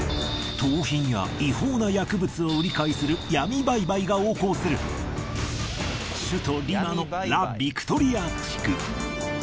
盗品や違法な薬物を売り買いする闇売買が横行する首都リマのラ・ビクトリア地区。